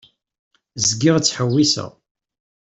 Zgiɣ ttḥewwiseɣ.